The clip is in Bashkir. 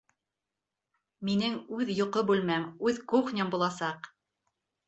Минең үҙ йоҡо бүлмәм, үҙ кухням буласаҡ!